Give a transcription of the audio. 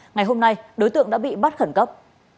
ngày hôm nay đối tượng đã bị bắt khẩn cấp